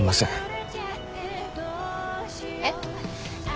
えっ？